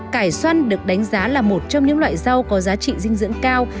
cải xoăn được đánh giá là một trong những loại rau có giá trị dinh dưỡng cao